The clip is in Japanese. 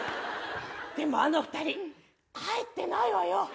でもあの２人帰ってないわよ。